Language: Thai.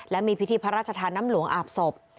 และมีพิธีพระราชทานน้ำหลวงอาบศพ